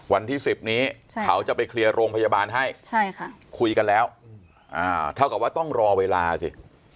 วันที่๑๐นี้เขาจะไปเคลียร์โรงพยาบาลให้คุยกันแล้วเท่ากับว่าต้องรอเวลาสิ